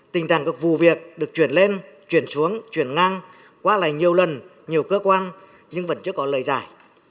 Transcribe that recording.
tình trạng các vụ việc được chuyển lên chuyển xuống chuyển ngang qua lại nhiều lần nhiều cơ quan nhưng vẫn chưa có lời giải